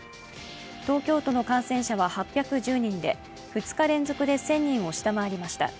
東京都の感染者は８１０人で２日連続で１０００人を下回りました。